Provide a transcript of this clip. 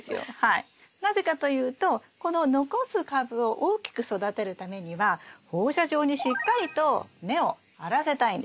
なぜかというとこの残す株を大きく育てるためには放射状にしっかりと根を張らせたいんです。